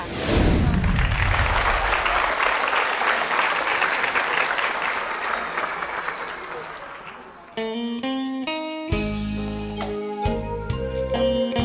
ขอโชคดีค่ะ